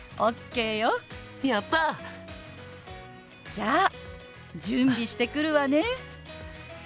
じゃあ準備してくるわね。